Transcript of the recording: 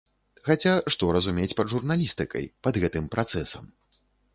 Хаця што разумець пад журналістыкай, пад гэтым працэсам.